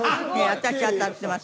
当たってます？